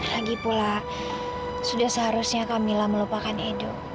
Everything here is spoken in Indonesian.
lagipula sudah seharusnya kamila melupakan edo